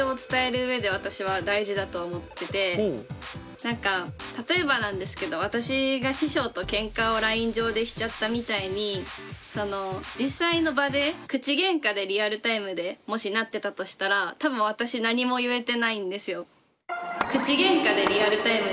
なんか例えばなんですけど私が師匠とけんかをＬＩＮＥ上でしちゃったみたいに実際の場で口げんかでリアルタイムでもしなってたとしたら多分私何も言えてないんですよ。